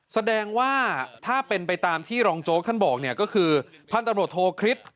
แสดงว่าถ้าเป็นไปตามที่รองโจ๊กท่านบอกเนี่ยก็คือพันธุ์ตำรวจโทคริสต์